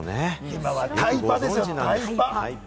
今はタイパですよ、タイパ。